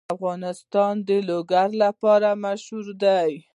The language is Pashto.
افغانستان د لوگر لپاره مشهور دی.